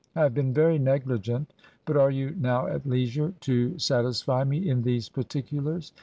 I have been very negUgent; but are you now at leisure to sat isfy me in these particulars?